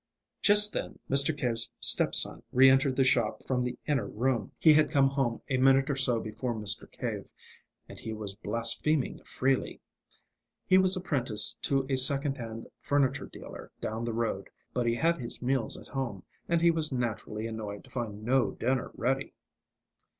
Just then, Mr. Cave's step son re entered the shop from the inner room he had come home a minute or so before Mr. Cave and he was blaspheming freely. He was apprenticed to a second hand furniture dealer down the road, but he had his meals at home, and he was naturally annoyed to find no dinner ready.